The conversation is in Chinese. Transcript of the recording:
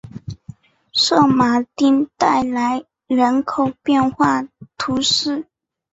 圣马丁代来人口变化图示